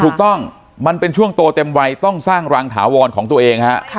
ถูกต้องมันเป็นช่วงโตเต็มวัยต้องสร้างรังถาวรของตัวเองฮะ